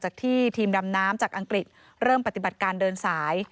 ที่ทีมดำน้ำจากอังกฤษเริ่มปฏิบัติการเดินสาย